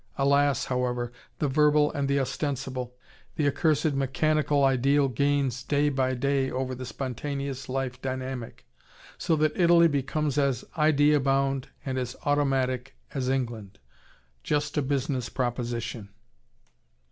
Alas, however, the verbal and the ostensible, the accursed mechanical ideal gains day by day over the spontaneous life dynamic, so that Italy becomes as idea bound and as automatic as England: just a business proposition.